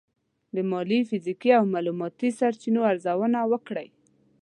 د مالي، فزیکي او معلوماتي سرچینو ارزونه وکړئ.